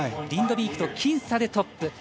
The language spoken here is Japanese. リンドビークと僅差でトップ。